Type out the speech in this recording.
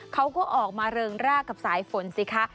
เขาก็ออกมาเริงรากกับสายฝนสิคะ